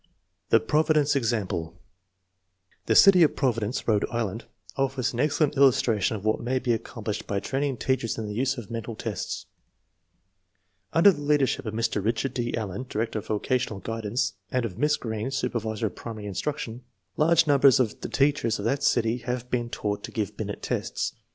The Providence example. The city of Providence, Bhode Island, offers an excellent illustration of what 1 See Figures 15, 16, and 17, p. 59. THE USE OF MENTAL TESTS SOS may be accomplished by training teachers in the use of mental tests. Under the leadership of Mr. Richard D. Allen, Director of Vocational Guidance, and of Miss Greene, Supervisor of Primary Instruction, large num bers of the teachers of that city have been taught to give Binet tests.